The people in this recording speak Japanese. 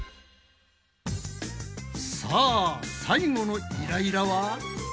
さあ最後のイライラは？